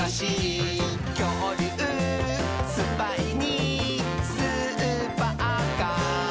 「きょうりゅうスパイにスーパーカー？」